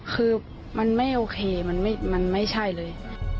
คือมันไม่โอเคมันไม่ใช่เลย